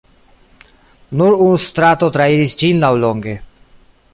Nur unu strato trairis ĝin laŭlonge.